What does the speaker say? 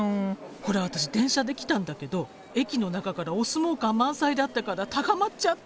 ほら私電車で来たんだけど駅の中からお相撲感満載だったから高まっちゃって。